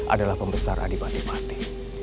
adalah pembesar kadipatin pati